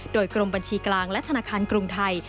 โดยกรมบัญชีกลางและธนาคารกรุงไทย